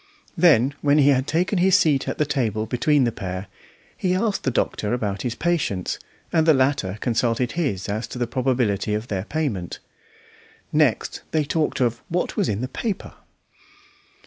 Then, when he had taken his seat at the table between the pair, he asked the doctor about his patients, and the latter consulted his as to the probability of their payment. Next they talked of "what was in the paper."